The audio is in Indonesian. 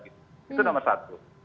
itu nomor satu